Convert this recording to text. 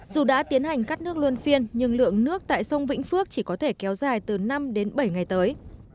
dù đã tiến hành cắt nước luân phiên nhưng lượng nước tại sông vĩnh phước chỉ có thể kéo dài từ năm đến bảy ngày tới